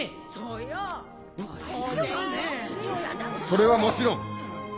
・それはもちろん。